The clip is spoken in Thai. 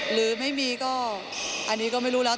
หรือไม่มีก็อันนี้ก็ไม่รู้แล้ว